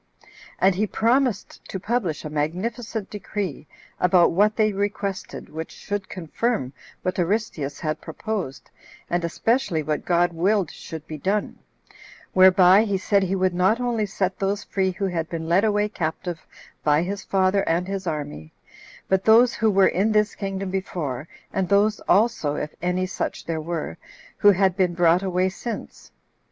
And he promised to publish a magnificent decree, about what they requested, which should confirm what Aristeus had proposed, and especially what God willed should be done; whereby he said he would not only set those free who had been led away captive by his father and his army, but those who were in this kingdom before, and those also, if any such there were, who had been brought away since.